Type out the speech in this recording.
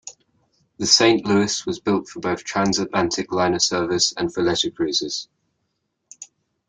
The "Saint Louis" was built for both transatlantic liner service and for leisure cruises.